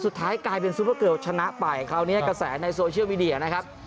สุดท้ายกลายเป็นซุปเปอร์เกิลชนะไปคราวนี้กระแสในโซเชียลมีเดียนะครับ